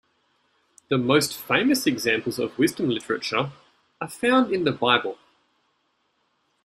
The most famous examples of wisdom literature are found in the Bible.